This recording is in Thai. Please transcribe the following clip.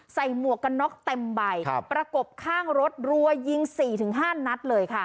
หมวกกันน็อกเต็มใบประกบข้างรถรัวยิง๔๕นัดเลยค่ะ